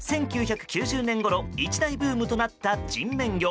１９９０年ごろ一大ブームとなった人面魚。